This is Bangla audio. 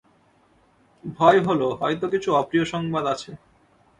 ভয় হল হয়তো কিছু অপ্রিয় সংবাদ আছে।